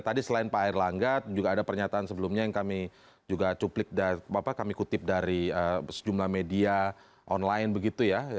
tadi selain pak erlangga juga ada pernyataan sebelumnya yang kami juga cuplik kami kutip dari sejumlah media online begitu ya